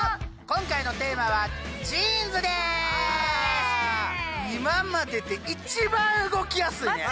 今回のテーマは今までで一番動きやすいね！